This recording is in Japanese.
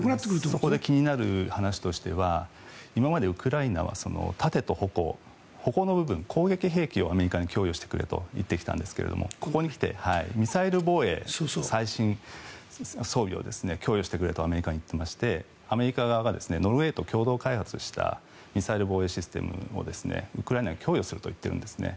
そこで気になる話としては今までウクライナは盾と矛、矛の部分攻撃兵器をアメリカに供与してくれと言ってきたんですがここにきてミサイル防衛最新装備を供与してくれとアメリカに言っていましてアメリカ側がノルウェーと共同開発したミサイル防衛システムをウクライナに供与すると言っているんですね。